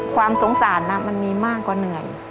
ความสงสารมันมีมากกว่าเหนื่อย